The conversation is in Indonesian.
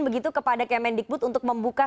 begitu kepada kemendikbud untuk membuka